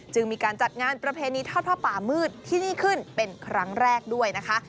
มีการจัดงานประเพณีทอดผ้าป่ามืดที่นี่ขึ้นเป็นครั้งแรกด้วยนะคะ